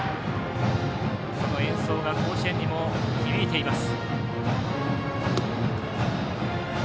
その演奏が甲子園にも響いています。